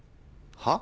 はっ？